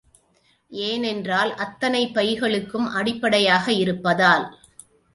ஏனென்றால் அத்தனைப் பைகளுக்கும் அடிப்படையாக இருப்பதால்.